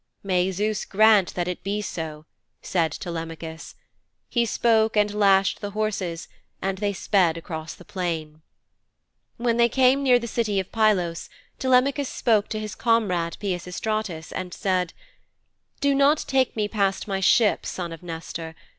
'May Zeus grant that it be so,' said Telemachus. He spoke and lashed the horses, and they sped across the plain. When they came near the city of Pylos, Telemachus spoke to his comrade, Peisistratus, and said: 'Do not take me past my ship, son of Nestor.